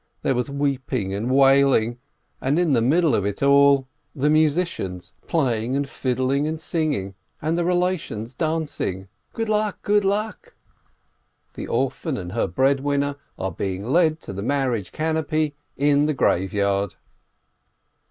There was weeping and wailing, and in the middle of it all, the 242 LEENEE musicians playing and fiddling and singing, and the relations dancing! ... Good luck! Good luck! The orphan and her breadwinner are being led to the mar riage canopy in the graveyard